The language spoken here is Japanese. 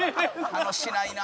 楽しないな。